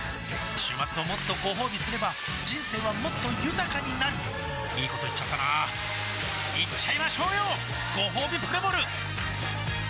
週末をもっとごほうびすれば人生はもっと豊かになるいいこと言っちゃったなーいっちゃいましょうよごほうびプレモル